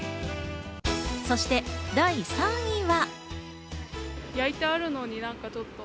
そして第３位は。